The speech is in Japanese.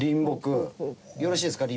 よろしいですか？